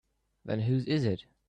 Then whose is it?